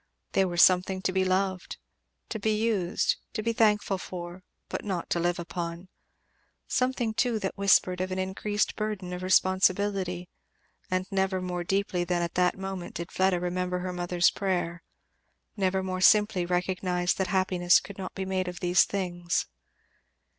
They were something to be loved, to be used, to be thankful for, but not to live upon; something too that whispered of an increased burden of responsibility, and never more deeply than at that moment did Fleda remember her mother's prayer; never more simply recognized that happiness could not be made of these things.